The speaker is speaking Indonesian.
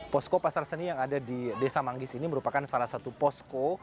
posko pasar seni yang ada di desa manggis ini merupakan salah satu posko